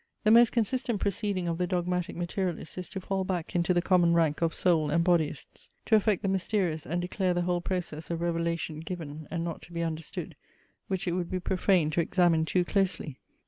The most consistent proceeding of the dogmatic materialist is to fall back into the common rank of soul and bodyists; to affect the mysterious, and declare the whole process a revelation given, and not to be understood, which it would be profane to examine too closely.